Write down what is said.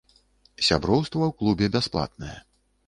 Сяброўства ў клубе бясплатнае.